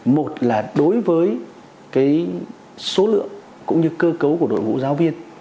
một là đối với số lượng cũng như cơ cấu của đội ngũ giáo viên